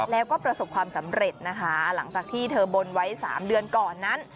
แล้วก็ประสบความสำเร็จนะคะหลังจากที่เธอบนไว้๓เดือนก่อนนั้น